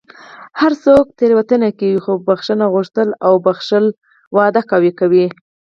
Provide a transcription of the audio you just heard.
هر څوک تېروتنه کوي، خو بښنه غوښتل او بښل واده قوي کوي.